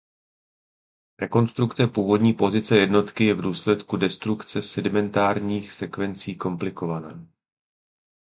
Rekonstrukce původní pozice jednotky je v důsledku destrukce sedimentárních sekvencí komplikovaná.